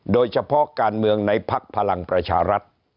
โดยเฉพาะการเมืองในภักดิ์พลังประชารัฐ